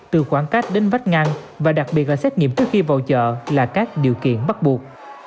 từ khoảng cách đến vách ngăn và đặc biệt là xét nghiệm trước khi vào chợ là các điều kiện bắt buộc